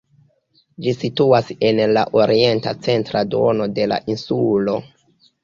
Ĝi situas en la orienta centra duono de la insulo.